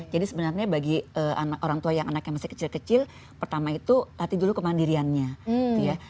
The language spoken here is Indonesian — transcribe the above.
jadi sebenarnya bagi orang tua yang masih kecil kecil pertama itu latih dulu kemandiriannya gitu ya